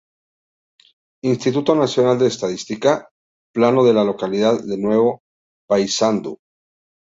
Instituto Nacional de Estadística: "Plano de la localidad de Nuevo Paysandú"